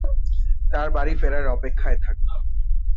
তার বাড়ি ফেরার অপেক্ষায় থাকব।